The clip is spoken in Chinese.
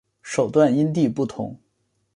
手段因地不同。